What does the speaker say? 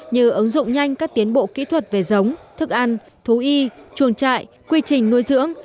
như ứng dụng nhanh các tiến bộ kỹ thuật về giống thức ăn thú y chuồng trại quy trình nuôi dưỡng